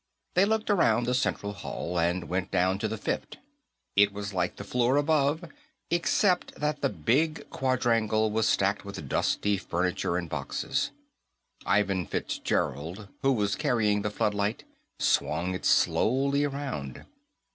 They looked around the central hall, and went down to the fifth; it was like the floors above except that the big quadrangle was stacked with dusty furniture and boxes. Ivan Fitzgerald, who was carrying the floodlight, swung it slowly around.